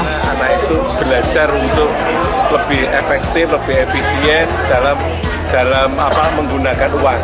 anak anak itu belajar untuk lebih efektif lebih efisien dalam menggunakan uang